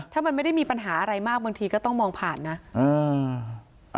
ถ้ามันไม่ได้มีปัญหาอะไรมากบางทีก็ต้องมองผ่านนะ